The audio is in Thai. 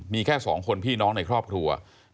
มีแค่๒คนพี่น้องในครอบครัว